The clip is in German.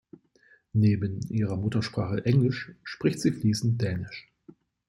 Neben ihrer Muttersprache Englisch spricht sie fließend Dänisch.